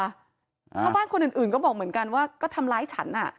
ชาวบ้านคนอื่นก็บอกเหมือนกันว่าก็ทำร้ายฉันอ่ะ